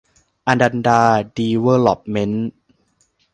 อนันดา ดีเวลลอปเม้นท์